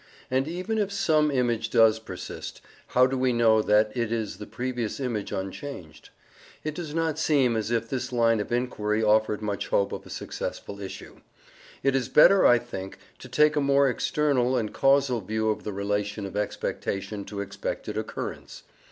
And even if SOME image does persist, how do we know that it is the previous image unchanged? It does not seem as if this line of inquiry offered much hope of a successful issue. It is better, I think, to take a more external and causal view of the relation of expectation to expected occurrence.